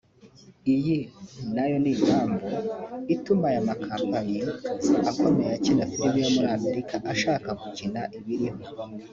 Iyi nayo ni impamvu ituma aya makompanyi akomeye akina filime yo muri amerika ashaka gukina ibiriho